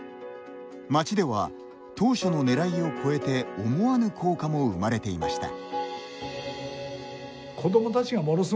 町では、当初のねらいを超えて思わぬ効果も生まれていました。